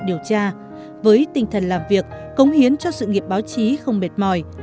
điều tra với tinh thần làm việc cống hiến cho sự nghiệp báo chí không mệt mỏi